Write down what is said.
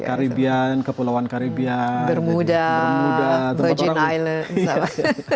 karibian kepulauan karibian bermuda virgin islands